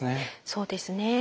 そうですね。